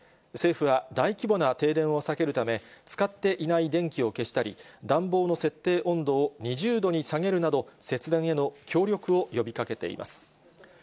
政府は大規模な停電を避けるため、使っていない電気を消したり、暖房の設定温度を２０度に下げるなど、節電への協力を呼びかけています。